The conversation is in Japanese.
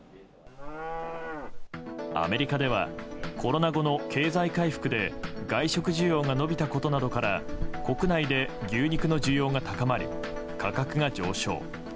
アメリカではコロナ後の経済回復で外食需要が伸びたことなどから国内で牛肉の需要が高まり価格が上昇。